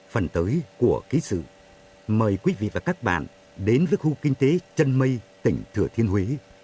phần tới của ký sử mời quý vị và các bạn đến với khu kinh tế trân mây tỉnh thừa thiên huế